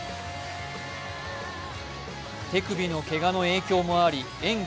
手首のけがの影響もあり演技